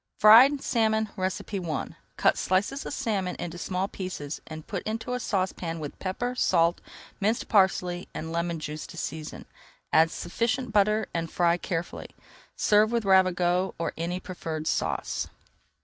FRIED SALMON I Cut slices of salmon into small pieces and put into a saucepan with pepper, salt, minced parsley, and lemon juice to season. Add [Page 275] sufficient butter and fry carefully. Serve with Ravigote or any preferred sauce.